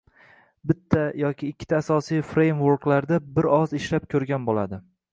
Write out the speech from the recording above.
Bitta yoki ikkita asosiy frameworklarda bir oz ishlab ko’rgan bo’ladi